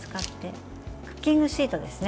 クッキングシートですね。